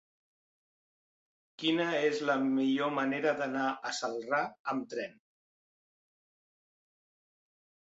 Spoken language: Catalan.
Quina és la millor manera d'anar a Celrà amb tren?